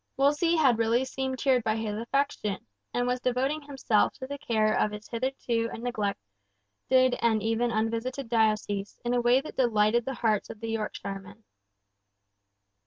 Wolsey had really seemed cheered by his affection, and was devoting himself to the care of his hitherto neglected and even unvisited diocese, in a way that delighted the hearts of the Yorkshiremen.